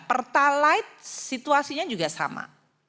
pertalite situasinya juga sama